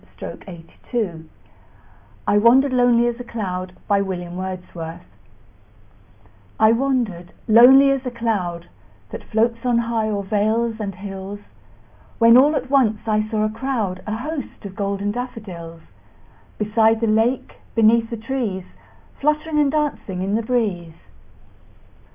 William Wordsworth I Wandered Lonely As a Cloud I WANDERED lonely as a cloud That floats on high o'er vales and hills, When all at once I saw a crowd, A host, of golden daffodils; Beside the lake, beneath the trees, Fluttering and dancing in the breeze.